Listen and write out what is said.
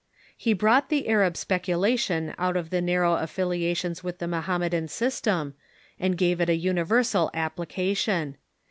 He brought the Arab speculation out of the narrow affiliations with the Mohammedan system, and gave it a uni versal application.